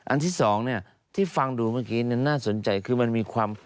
ที่สองเนี่ยที่ฟังดูเมื่อกี้น่าสนใจคือมันมีความ